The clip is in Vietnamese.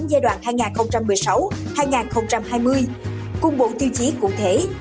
giai đoạn hai nghìn một mươi sáu hai nghìn hai mươi cùng bộ tiêu chí cụ thể